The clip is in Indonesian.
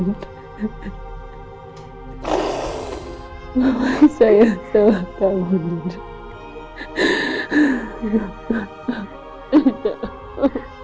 mama sayang selama tahun din